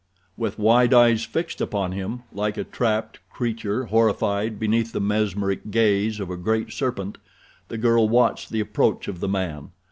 With wide eyes fixed upon him, like a trapped creature horrified beneath the mesmeric gaze of a great serpent, the girl watched the approach of the man.